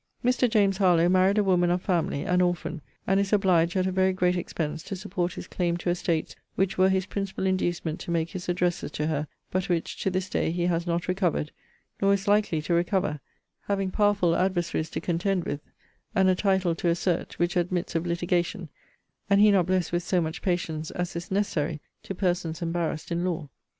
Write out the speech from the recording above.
Mr. JAMES HARLOWE married a woman of family, an orphan; and is obliged, at a very great expense, to support his claim to estates, which were his principal inducement to make his addresses to her; but which, to this day, he has not recovered; nor is likely to recover; having powerful adversaries to contend with, and a title to assert, which admits of litigation; and he not blessed with so much patience as is necessary to persons embarrassed in law.